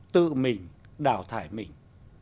tự mình đào thải mình